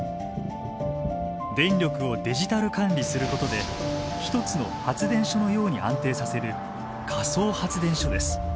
電力をデジタル管理することで１つの発電所のように安定させる仮想発電所です。